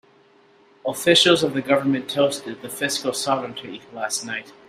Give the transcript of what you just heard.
Officials of the government toasted the fiscal sovereignty last night.